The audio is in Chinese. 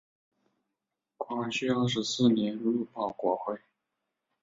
光绪二十四年入保国会。